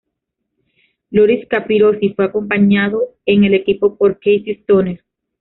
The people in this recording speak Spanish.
Loris Capirossi fue acompañado en el equipo por Casey Stoner.